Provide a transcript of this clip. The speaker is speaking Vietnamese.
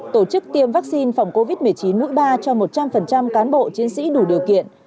tổ chức tiêm vaccine phòng covid một mươi chín mũi ba cho một trăm linh cán bộ chiến sĩ đủ điều kiện